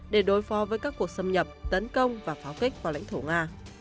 để đối phó với các cuộc xâm nhập tấn công và pháo kích vào lãnh thổ nga